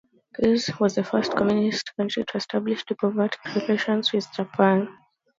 Yugoslavia was the first communist country to establish diplomatic relations with Japan.